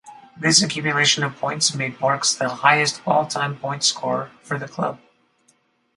This accumulation of points made Parks the highest all-time points scorer for the club.